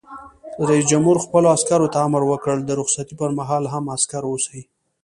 رئیس جمهور خپلو عسکرو ته امر وکړ؛ د رخصتۍ پر مهال هم، عسکر اوسئ!